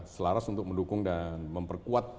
selaras untuk mendukung dan memperkuat